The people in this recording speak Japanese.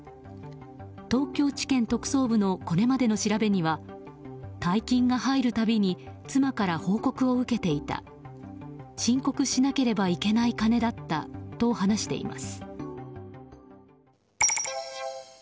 東京地検特捜部のこれまでの調べには大金が入る度に妻から報告を受けていた申告しなければいけない金だったと話しています。